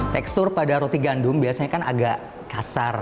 tekstur pada roti gandum biasanya kan agak kasar